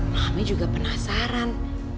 mami juga penasaran